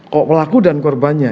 kalau pelaku dan korbannya